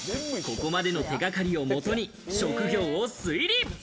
ここまでの手掛かりをもとに職業を推理。